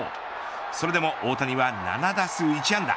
それでも大谷は７打数１安打。